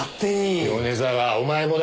米沢お前もだ。